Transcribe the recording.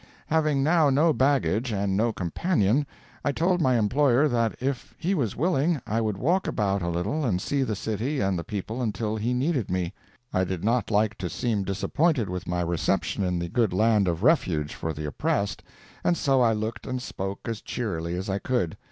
Having now no baggage and no companion, I told my employer that if he was willing, I would walk about a little and see the city and the people until he needed me. I did not like to seem disappointed with my reception in the good land of refuge for the oppressed, and so I looked and spoke as cheerily as I could.